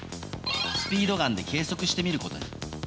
スピードガンで計測してみることに。